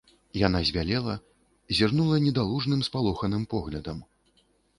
Яна збялела, зірнула недалужным, спалоханым поглядам.